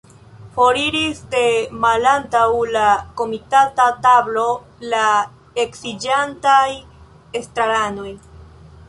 Foriris de malantaŭ la komitata tablo la eksiĝantaj estraranoj.